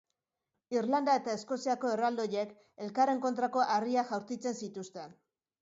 Irlanda eta Eskoziako erraldoiek elkarren kontrako harriak jaurtitzen zituzten.